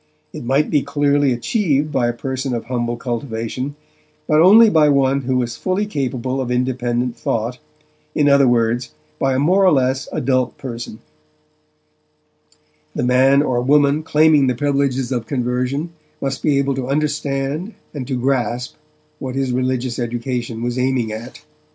It might be clearly achieved by a person of humble cultivation, but only by one who was fully capable of independent thought, in other words by a more or less adult person, The man or woman claiming the privileges of conversion must be able to understand and to grasp what his religious education was aiming at.